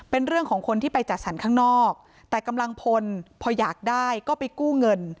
เป็นเรื่องของคนที่ไปจัดสรรข้างนอกแต่กำลังพลพออยากได้ก็ไปกู้เงิน